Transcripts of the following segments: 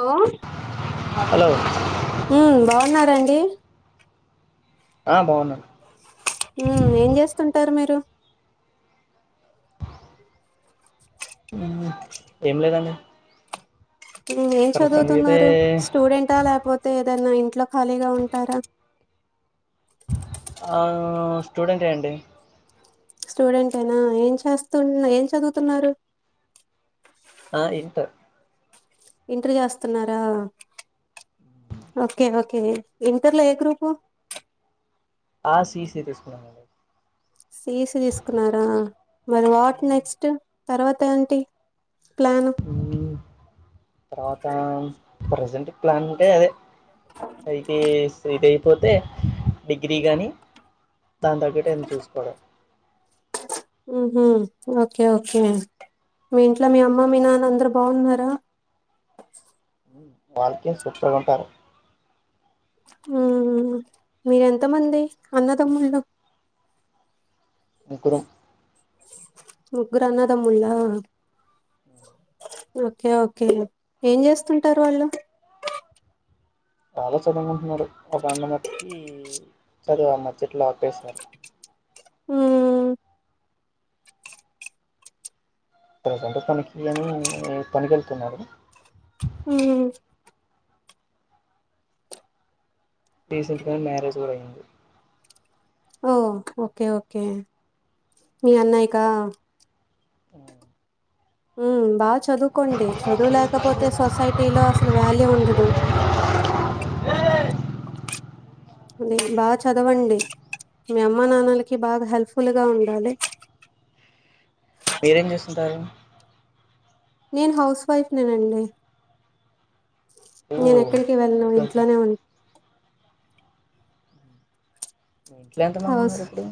Hello hello బాగున్నారండి ఆ బాగున్నాడు ఉ ఏం చేస్తుంటారు మీరు ఏం లేదండి ఏం ప్రస్తుతానికి అయితే చదువుతున్నారు స్టూడెంంటా లేకపోతే నా ఇంట్లో ఖాళీగా ఉంటారా స్టూడెంట్ అండి స్టూడెంట్నా ఏం చేస్తున్న ఏం చదువుతున్నారు ఆ ఇంత ఇంటర్ చేస్తున్నారా ఓకే ఓకే ఇంటర్లో ఏ గ్రూపు ఆ సీసీ తీసుకున్నానుండి సీసి తీసుకున్నారా మరి వాట్ నెక్స్ట్ తర్వాత ఏంటిీ ప్లాను తర్వాతా ప్రజెంట్ ప్లాన్ అంటే అదే అయితే శ్రీదే పోతే డిగ్రీ గానీ దాని తగ్గట్ ఏదన్న చూసుకోవడం ఊహు ఓకే ఓకే మీ ఇంట్లో మీ అమ్మ మీ నాన్న అందరు బాగున్నారా వాళ్ళకే సూపర్గుంటారు ఉమ్ మీరెంతమంది అన్న తమ్ముళ ముగ్గురం ముగ్గురు అన్నదమ్ముళ్ళ ఓకే ఓకే ఏం చేస్తుంటారు వాళ్ళు వాళ్లే చదునుకుంటున్నారుడు ఒక అన్నమట్టుకి చదువా మధ్యట్లో ఆపేశారు ఆ ప్రజెంట్ పనికి అని పనికెళ్తున్నారు మ్మ్ రీసెంట్ గా మ్యారేజ్ కూడా అయ్యంది ఓ ఓకే ఓకే మీ అన్నయ్యకా ఆ ఉమ్ బాచ్ చదువుకోండి చదువు లేకపోతే సొసైటీలో అసలు వాల్యూ ఉండదు అది బాగా చదవండి మీ అమ్మ నాన్నలకి బాగా హెల్ప్ఫుల్గా ఉండాలి మీరేం చేస్తుంటారు నేను హౌస్ వైఫ్ నేనండి ఓ నేనెక్కడికీ వెళ్ళను హౌస్ వైఫ్ ఇంట్లోనే ఉ ఇంట్లో ఎంతమంది హౌస్ ఉన్నారు ఇప్పుడు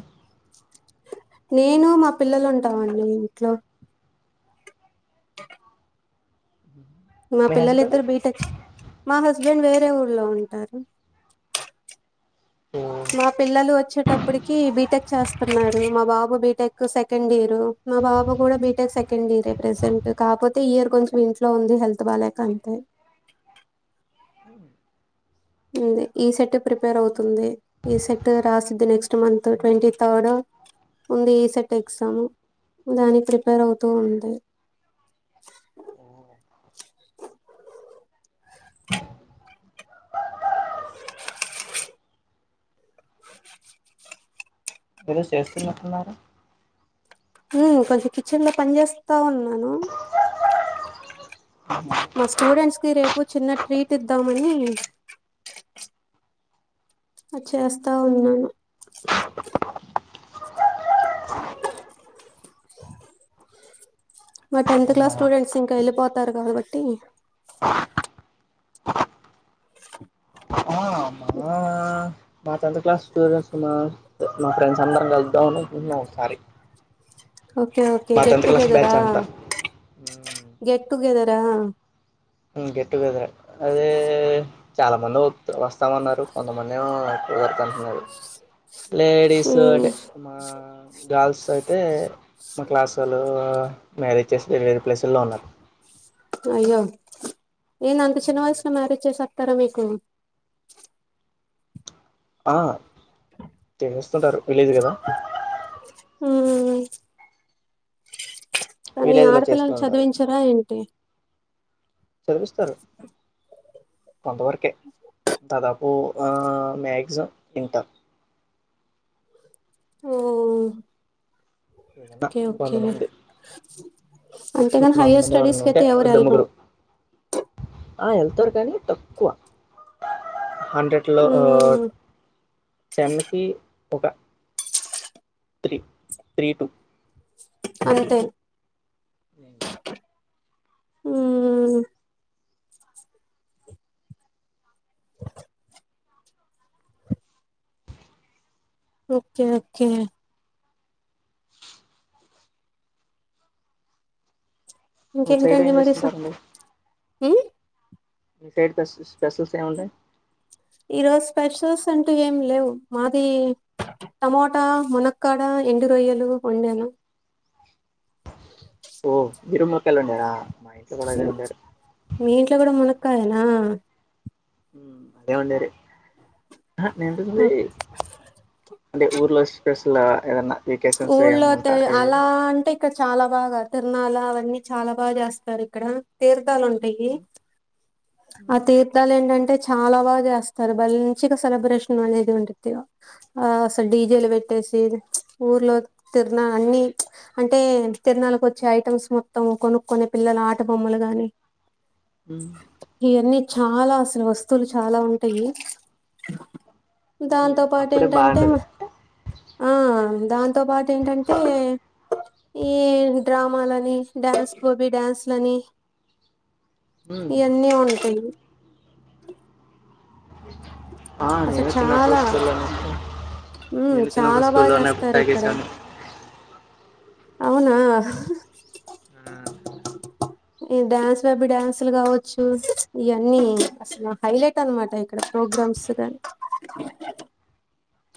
నేను మా పిల్లలు ఉంటావండి ఇంట్లో మా మీ పిల్లు హస్బెండ్ ఇద్దరు బీటెక్ మా హస్బెండ్ వేరే ఊళ్లో ఉంటారు ఓ మా పిల్లలు వచ్చేటప్పటికి బీటెక్ చేస్తున్నాడు మా బాబు బీటెక్ సెకండ్ ఇయర్ మా బాబా కూడా బీటెక్ సెకండ్ ఇయరే ప్రెసెంట్ కాపోతే ఇయర్ కొంచెం ఇంట్లో ఉంది హెల్త్ బాలేక అంతే అ ఉంది ఈ సెట్ ప్రిపేర్ అవుతుంది ఈ సెట్ రాసిద్ధి నెక్స్ట్ మంత్ ట్వంటీ థర్డ్ ఉంది ఈ సెట్ ఎగ్జామ్ దాని ప్రిపేర్ అవుతూ ఉంది ఓ ఏదో చేస్తున్నట్లున్నారు ఉమ్ కొంచెం కిచెన్ లో పని చేేస్తా ఉన్నాను మా స్టూడెంట్స్ కి రేపు చిన్న ట్రీట్ ఇద్దామని అది చేస్తా ఉన్నాను మా టెన్త్ క్లాస్ ఉన్నారా స్టూడెట్స్ ఇంకా ఎళ్ళపో తారు కాబట్టి మాత అంత క్లాస్ స్ర్ సున్నాన్నారు మా ఫ్రెండ్స్ అందరం కళ్తాని ఉన్నసారి ఓకే ఓకే గెట్ టుగెదరా అంతా గెట్ టుగెదరా గెట్ టుగెదర్ అదే చాలా మంది వస్తామన్నారు కొంతమందిరుంటున్నారు లేడీస్ ఉమ్ అంటే మా గర్ల్స్ సో అయితే మా క్లాస్ చలో మ్యారేజ చ్చేసి వేర వేరే ప్లేసుల్లో ఉన్నారు అయ్యో ఏను అంత చిన్న వయసులో మ్యారేజ్ చేసి వస్తారా మీకు ఆ తెలుస్తుంటారు విలేజ్ కదా హ కానీ విలేజ్ లో చేస్తూ ఆడపిల్లలు ఉంటారు చదివించరా ఏంటి చదివిస్తారు కొంతవరకే దాదాపు మ్యాక్సిమం వింటారు ఓ ఏదన్నా ఓకే ఓకే కొంతమంది అంతేగా హైయర్ కొంతమంది ఎవరన్నా ఉంటే స్టడీస్కతే ఇద్దరు ఎవరుల్రు ముగ్గురు ఆ వెళ్తారు కానీ తక్కువ హండ్రెడ్ లో ఉమ్ టన్నకి ఒక త్రీ త్రీ టూ అంతే ఏ హ ఓకే ఓకే మీ సైడ్ ఇంకేంటండి ఏం మరి చేస్తుంటారండి హ మీ సైడ్ కస్ ఈరోజ స్పెషస్ అంటూ ఏం లేవు మాది టమోటా మునక్కడ ఎండు రొయ్యలు వండెలు ఓ బిరుమక్కలా ఉండార మీ ఇంట్లో కూడా మన క్కయనా అదే ఉండరి నేంట అంటే ఊర్లో స్పెషల్ ఏదన్నా వెకేషన్స్ ఊళ్ళో ఏమన్నా ఉంటాయి అలా అంటే ఇక్కడ చాలా బాగా తిరనాల అవన్నీ చాలా బాగా చేస్తారు ఇక్కడ తీర్థాలు ఉంటాయ్ రీ ఆ ఉమ్, తీర్థాలు ఏంటంటే చాలా బాగా చేస్తారు మంచిగా సెలబ్రేషన్ అనేది ఉంటది ఆ అసలు డీజేలు పెట్టేసి ఊర్లో తిరనా అన్ని అంటే తిరనాలకు వచ్చే ఐటమ్స్ మొత్తం కొనుక్కనే పిల్లల ఆటబొమ్మలు గాని మ్మ్ ఇవన్నీ చాలా అసలు వస్తువులు చాలా ఉంటాయి ఉమ్, దాంతో పాటు అప్పుడే ఏంటంటే బాగుంటది ఆ దాంతో పాటు ఏంటంటే ఈ డ్రామాలని డ్యాన్స్ గోబీ డ్యాన్స్లని మ్మ్ మ్మ్ అ ఆ నేను చిన్నప్పుడు చాలా స్కూల్లోనే ఉమ్ నేను చిన్నప్పు చాలా బాగా స్కూల్లోనే చేస్తారు ఇక్కడ తాగేసాను అవునా ఆ, ఈ డ్యాన్స్ బ్యాబీ డ్యాన్సులు కావచ్చు ఇవన్నీ అసలు హైలైట్ అనమాట ఇక్కడ ప్రోగ్రామ్స్ గని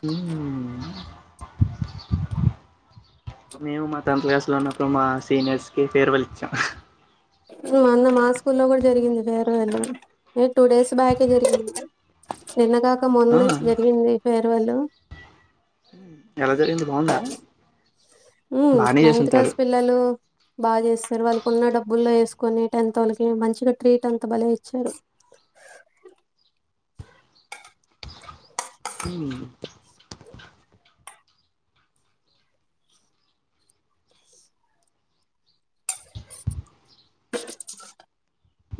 మ్మ్ నేవు మత్ టెన్త్ క్లాస్ లో ఉన్నపుడు మాస్ సీనియర్స్కి ఫేర్ వల్ ఇచ్చాం మ్మ్ అన్న మా స్కూల్లో కూడా జరిగింది ేర ఎ ఏ టూ డేస్ బ్యాక్ జరిగింది నిన్న గాక మోన్ ఇ ఆ, ముందు జరిగింది మీ పేర్ వెలో ఎలా జరిగింది బాగుందా మ్మ్ బాగానే నైన్త్ చేసింటారు క్లాస్ పిల్లలు బాగా చేస్తారు వాళ్ళకున్న డబ్బుల్లో వేస్ కొనే టెన్త్ వాళ్ళకి మంచిగా ట్రీట్ ఎంత బలే ఇచ్చారు మ్మ్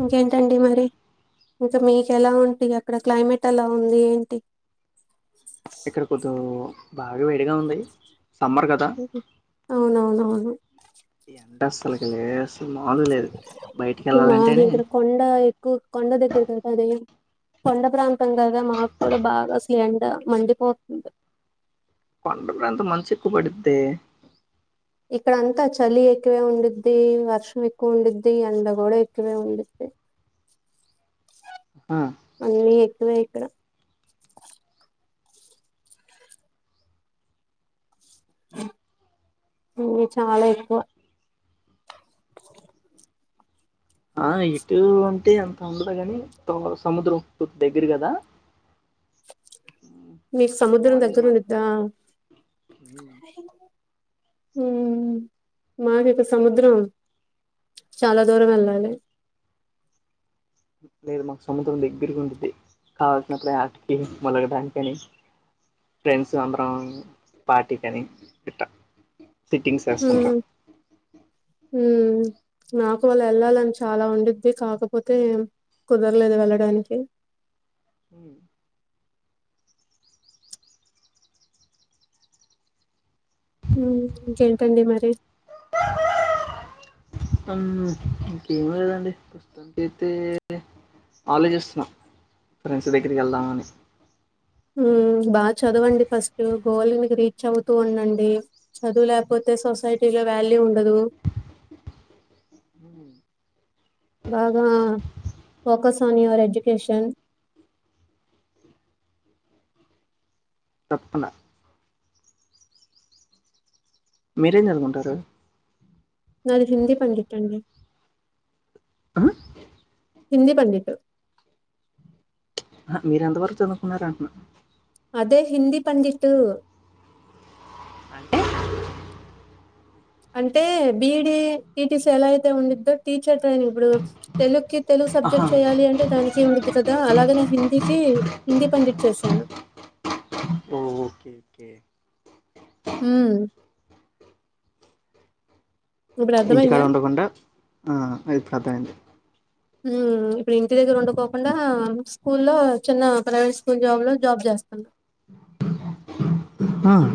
ఇంకేంటండి మరి ఇంకా మీకు ఎలా ఉంటంది అక్కడ క్లైమేట్ ఎలా ఉంది ఏంటి ఇక్కడ కొద్ం బాగా వేడిగా ఉంది సమ్మర్ మ్మ్ అవునవును అవును ఎంట అస్సలుకి లేదు అసలు మాములు లేదు బయటికి వెళ్ళాలంటేనే కద అదే కొండ ప్రాంతం గదా మాకు కూడా బాగా అసలు ఎండ మండిపోతుంది కొండ ప్రాంతం మంచ్ ఎక్కువపడుద్దే ఇక్కడంతా చలి ఎక్కువే వుండుద్ది వర్షం ఎక్కువ ఉండిద్ది ఎండగొడ ఎక్కువే వుండిద్ది ఆ అన్నీ ఉన్నాయ్ ఇక్కడ ఇవి చాలా ఎక్కువ ఆహ్ ఇటు అంటే అంత ఉండదు కాని తో సముద్రం దగ్గర కదా మీకు సముద్రం మార్నింగ్ దగ్గర మా ఉంది దా హు మాకైతే సముద్రం చాలా దూరం వెళ్ళాలి లేదు మాకు సముద్రం దగ్గరగా ఉండద్ది కావాల్సినప్పుడే యాటకి మొలగడానినికని ఫ్రెండ్స్ అందరం పార్టీ కని ఇట్ట సిటింగ్సేస్తుంటం ఉమ్ నాకు వాళ్ళ వెళ్ళాలని చాలా ఉండిద్ది కాకపోతే కుదరలేదు వెళ్ళడానికి హు హు ఇంకేంటండి మరి ఆహ్ ఇంకేం లేదండి పుస్తక తితీ ఆలోచిస్తున్నాం ఫ్రెండ్స్ దగ్గరికి వెళ్దామని బాగా చదవండి ఫస్ట్ గోల్ రీచ్ అవుతూండండి చదువు లేకపోతే సొసైటీలో వాల్యూ ఉండదు బాగా ఫోకస్ ఆన్ యువర్ ఎడ్యుకేషన్ తప్పకుండా మీరేం చదుకుంటారు నాది హిందీ పండిట్ అండి ఆహ్ హిందీ పండిట్ ఆహ్ మీరు ఎంత వరకు చదువుకున్నారా అంటున్నాను అదే హిందీ పండిట్టు అంటే? అంటే B. E. D T. T. C ఎలా అయితే ఉండిద్దో టీచర్ ట్రైన్ ఇప్పుడు తెలుగుకి తెలుగు ఆహా సబ్జెక్ట్ చేయాలి అంటే దానికి ఉండిద్ది కదా అలాగేనే హిందీకి హిందీ పండిట్ చేసాను ఓకేకే హుం ఇప్పుడు ఇంటికాడ అర్థమైందా? ఉండకుండా ఆహ్ ఇప్పుడర్థమైంది హుం ఇప్పుడు ఇంటి దగ్గర ఉండుకోకుండా స్కూల్లో చిన్న ప్రైవేట్ స్కూల్ జాబ్లో జాబ్ చేస్తున్నా ఆహ్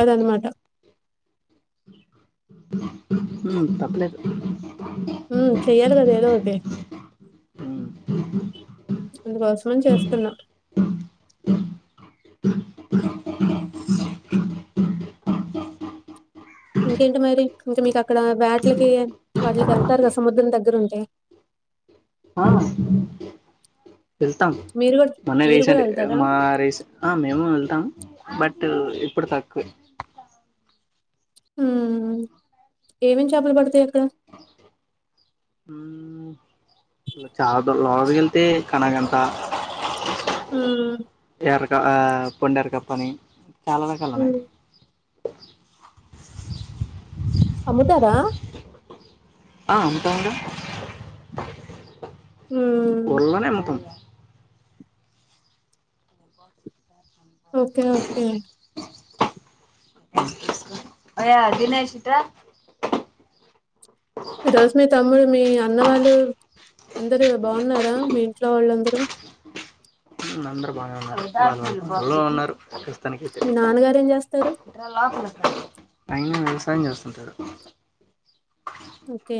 అదన్మాట తప్పులేదు అమ్ చెయ్యాలి కదా ఏదోటి ఉమ్. అందుకోస్మని చేస్తున్నా ఇంకేంటి మరి ఇంకా మీకక్కడ వేటలకి వాటికి వెళ్తారు కదా సముద్రం దగ్గరుంటే ఆ, వెళ్తాం మీరు గూడా మొన్న మీరు గూడా రేసెంట్ ఆ ఎళ్తారా? మా రేసెం ఆహ్ మేము వెళ్తాం బట్ ఇప్పుడు తక్కువే హుం ఏమేమి చేపలు పడతాయి అక్కడ ఉమ్, చాలా దూ లోపలకి వెళ్తే కనగంత హ్మ్. ఎర్కా పొండేరు కప్పనీ చాలా రకాలున్నాయ్ హ్మ్. అమ్ముతారా ఆహ్ వుంటంగా ఊ హ్మ్. ఓకే ఓకే అయ్యా దినేష్ ఇట్రా ఈరోజు మీ తమ్ముడు, మీ అన్న వాళ్ళు అందరు బానేఉన్నారు [unintelligible] ఉన్నారు పాకిస్తాన్ కి మీ నాన్నగారేం జేస్తారు? ఎటురా లోపలికి రా పని చేస్తుంటారు ఓకే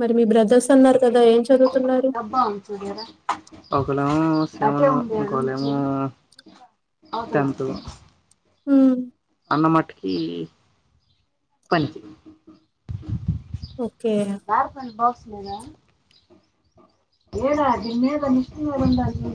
మరి మీ బ్రదర్స్ అన్నారు. కదా! ఏం చదువుతున్నారు? ఒకరు ఊ సెవెన్ ఇంకొల్లేమో టెన్త్ ఊ అన్న మటుకి పనికి ఓకే [unintelligible]